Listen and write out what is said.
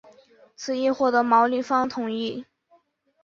此议获得毛利方同意。